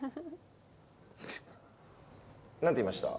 何て言いました？